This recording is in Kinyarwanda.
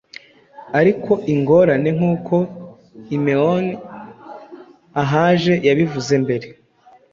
Ariko ingorane, nkuko imeon ahaje yabivuze mbere,